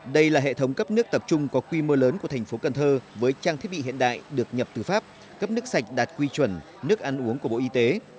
đây là hệ thống cấp nước tập trung có quy mô lớn của tp cn với trang thiết bị hiện đại được nhập từ pháp cấp nước sạch đạt quy chuẩn nước ăn uống của bộ y tế